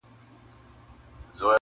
زه په تیارو کي چي ډېوه ستایمه,